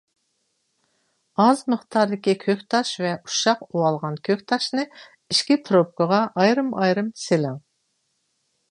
ئاز مىقداردىكى كۆكتاش ۋە ئۇششاق ئۇۋالغان كۆكتاشنى ئىككى پروبىركىغا ئايرىم-ئايرىم سېلىڭ.